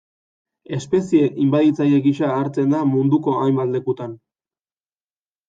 Espezie inbaditzaile gisa hartzen da munduko hainbat lekutan.